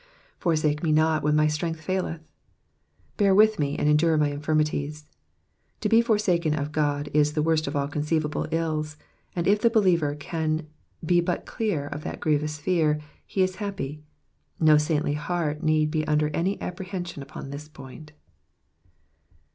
^^ Forsake me not when my strength faUeth.^^ Bear with me, and endure my infirmities. To be forsaken of God is the worst of all conceivable ills, and if the believer can be but clear of that grievous fear, he is happy : no saintly heart need be under any apprehension upon this point.